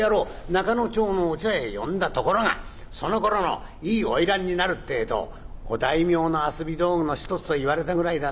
仲之町のお茶屋へ呼んだところがそのころのいい花魁になるってぇとお大名の遊び道具の一つと言われたぐらいだ。